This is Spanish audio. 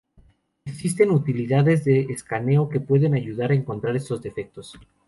Existen utilidades de escaneo que pueden ayudar a encontrar estos defectos.